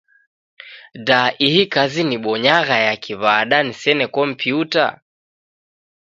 Da ihi kazi niibonyagha ya kiw'ada nisene kompiuta?